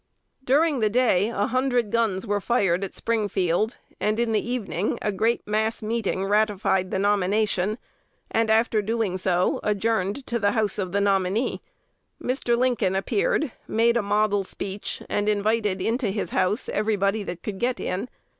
During the day a hundred guns were fired at Springfield; and in the evening a great mass meeting "ratified" the nomination, and, after doing so, adjourned to the house of the nominee. Mr. Lincoln appeared, made a "model" speech, and invited into his house everybody that could get in.